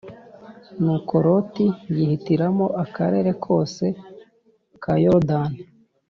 Nuko Loti yihitiramo Akarere kose ka Yorodani